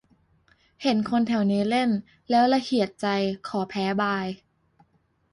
เห็นคนแถวนี้เล่น แล้วละเหี่ยใจ ขอแพ้บาย